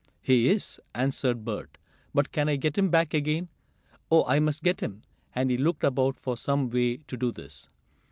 "He is!" answered Bert. "But can I get him back again? Oh, I must get him!" and he looked about for some way to do this.